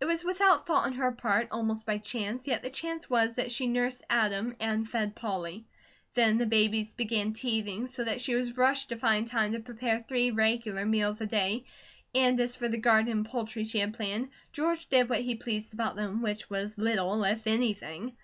It was without thought on her part, almost by chance, yet the chance was that she nursed Adam and fed Polly. Then the babies began teething, so that she was rushed to find time to prepare three regular meals a day, and as for the garden and poultry she had planned, George did what he pleased about them, which was little, if anything.